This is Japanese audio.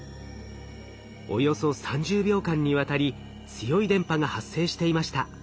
およそ３０秒間にわたり強い電波が発生していました。